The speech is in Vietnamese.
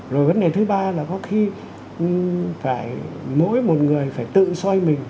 rồi vấn đề thứ ba là có khi phải mỗi một người phải công khai như thế đó